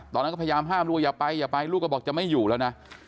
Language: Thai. ตอนนั้นก็พยายามห้ามลูกอย่าไปอย่าไปลูกก็บอกจะไม่อยู่แล้วนะ